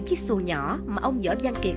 chiếc xù nhỏ mà ông giáp giang kiệt